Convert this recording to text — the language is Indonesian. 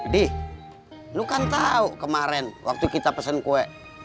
dih lu kan tahu kemarin waktu kita pesen kue